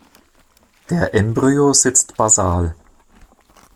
Der Embryo sitzt basal.